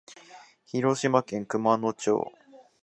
広島県熊野町